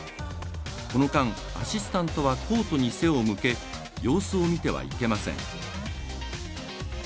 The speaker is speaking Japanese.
この間、アシスタントはコートに背を向け様子を見てはいけません。